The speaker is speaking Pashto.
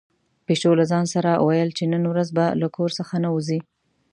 پيشو له ځان سره ویل چې نن ورځ به له کور څخه نه وځي.